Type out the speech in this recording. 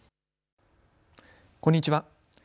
こんにちは。